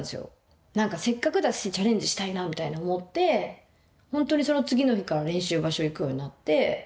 何かせっかくだしチャレンジしたいなみたいに思って本当にその次の日から練習場所行くようになって。